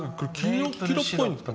黄色っぽいんですかね。